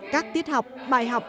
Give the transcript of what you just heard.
các tiết học bài học